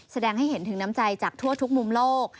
แสดงให้เห็นถึงน้ำใจจากทั่วทุกมุมโลก